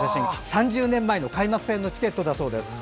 ３０年前の開幕戦のチケットだそうです。